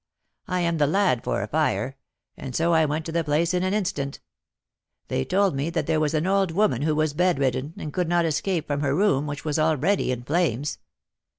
I am the lad for a fire, and so I went to the place in an instant. They told me that there was an old woman who was bedridden, and could not escape from her room, which was already in flames.